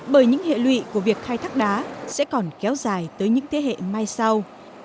bởi những hệ lụy của việc khai thác đá sẽ còn kéo dài tới những thế hệ mai sau